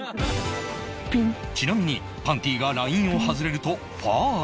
ちなみにパンティがラインを外れるとファウル